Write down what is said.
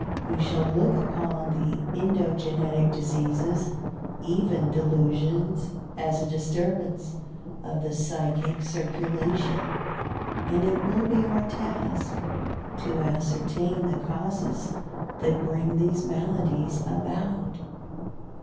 We shall look upon the "endogenetic" diseases, even delusions, as a disturbance of the psychic circulation, and it will be our task to ascertain the causes that bring these maladies about.